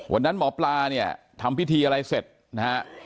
วันนั้นหมอปลาเนี่ยทำพิธีอะไรเสร็จนะฮะ